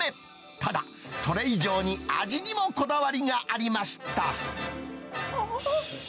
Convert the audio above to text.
ただ、それ以上に味にもこだわりがありました。